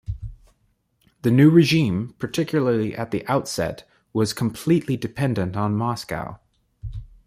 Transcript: The new regime, particularly at the outset, was completely dependent on Moscow.